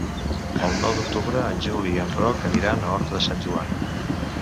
El nou d'octubre en Juli i en Roc aniran a Horta de Sant Joan.